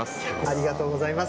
ありがとうございます。